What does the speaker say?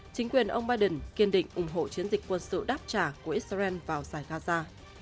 chính quyền ông biden kiên định ủng hộ chiến dịch quân sự đáp trả của israel vào giải gaza